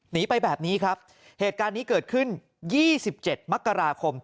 หนีไปแบบนี้ครับเหตุการณ์นี้เกิดขึ้น๒๗มกราคม